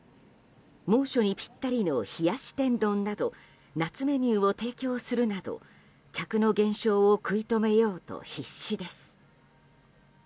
猛暑にぴったりの冷やし天丼など夏メニューを提供するなど客の減少を食い止めようと必死です。